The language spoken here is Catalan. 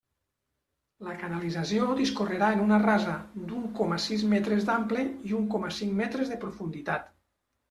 La canalització discorrerà en una rasa d'un coma sis metres d'ample i un coma cinc metres de profunditat.